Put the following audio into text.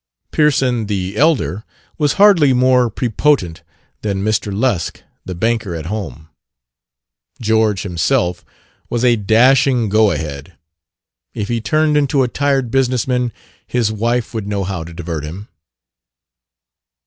Pearson the elder was hardly more prepotent than Mr. Lusk, the banker at home. George himself was a dashing go ahead: if he turned into a tired business man his wife would know how to divert him.